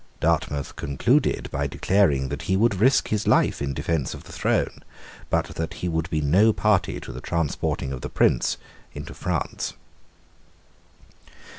Dartmouth concluded by declaring that he would risk his life in defence of the throne, but that he would be no party to the transporting of the Prince into France.